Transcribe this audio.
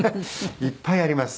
いっぱいあります。